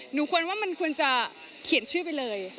หนูควรว่ามันควรจะเขียนชื่อไปเลย